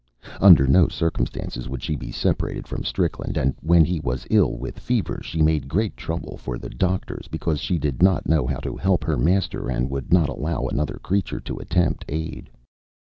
Under no circumstances would she be separated from Strickland, and when he was ill with fever she made great trouble for the doctors because she did not know how to help her master and would not allow another creature to attempt aid.